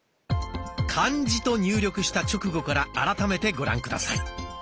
「漢字」と入力した直後から改めてご覧下さい。